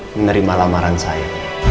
menerima lamaran saya